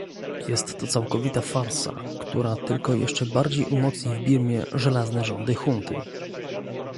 Jest to całkowita farsa, która tylko jeszcze bardziej umocni w Birmie żelazne rządy junty